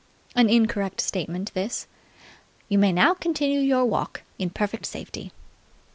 An incorrect statement this. "You may now continue your walk in perfect safety."